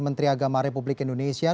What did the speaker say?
menteri agama republik indonesia